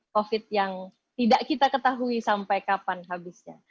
covid yang tidak kita ketahui sampai kapan habisnya